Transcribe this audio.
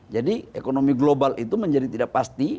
jadi ekonomi global itu menjadi tidak pasti